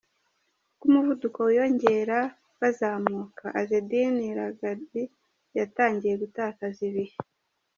Uko umuvuduko wiyongeraga bazamuka, Azzedine Lagab yatangiye gutakaza ibihe.